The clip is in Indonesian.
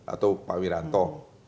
atau pak viranto